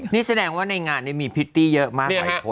นี่แสดงว่าในงานมีพิวตี้เยอะมาก